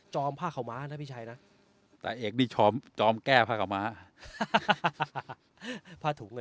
ผ้าขาวม้านะพี่ชัยนะแต่เอกนี่ชอบจอมแก้ผ้าขาวม้าผ้าถุงเลย